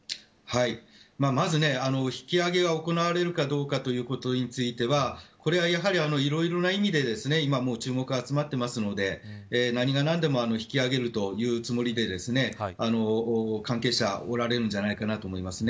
まず引き揚げが行われるかどうかということについてはこれは、いろいろな意味で今注目が集まっているので何が何でも引き揚げるというつもりで関係者はおられるんじゃないかと思います。